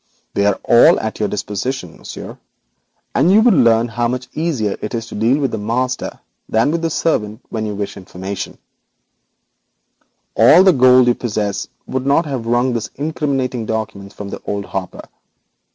They are all at your disposition, Monsieur, and thus you learn how much easier it is to deal with the master than with the servant. All the gold you possess would not have wrung these incriminating documents from old Hopper.